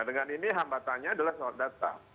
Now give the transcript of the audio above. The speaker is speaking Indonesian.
dengan ini hambatannya adalah soal data